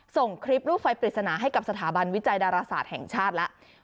ส่งคลิปลูกไฟปริศนาให้กับสถาบันวิจัยดาราศาสตร์แห่งชาติแล้ว